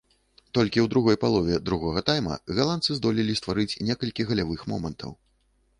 Толькі ў другой палове другога тайма галандцы здолелі стварыць некалькі галявых момантаў.